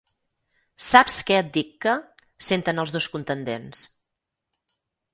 Saps què et dic que? —senten els dos contendents—.